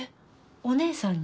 お姉さんに？